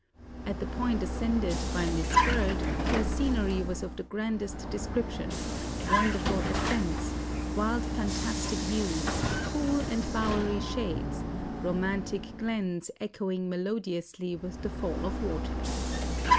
At the point ascended by Miss Bird their scenery was of the grandest description wonderful ascents, wild fantastic views, cool and bowery shades, romantic glens echoing melodiously with the fall of waters.